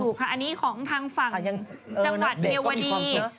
ถูกค่ะอันนี้ของทางฝั่งจังหวัดเมียวดี